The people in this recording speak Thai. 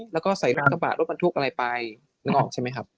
แล้วก็ใส่รถกระบะรถบรรทุกอะไรไปนึกออกใช่ไหมครับ